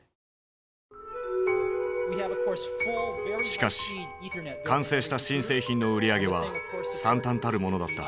しかし完成した新製品の売り上げはさんたんたるものだった。